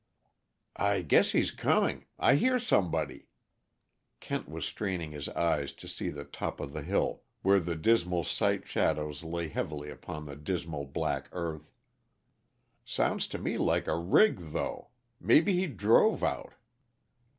"I guess he's coming; I hear somebody." Kent was straining his eyes to see the top of the hill, where the dismal sight shadows lay heavily upon the dismal black earth. "Sounds to me like a rig, though. Maybe he drove out."